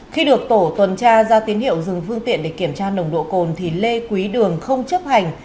khi được tổ tuần tra ra tín hiệu dừng phương tiện để kiểm tra nồng độ cồn thì lê quý đường không chấp hành